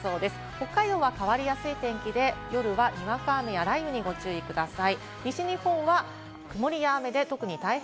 北海道は変わりやすい天気で、夜はにわか雨や雷雨にご注意ください。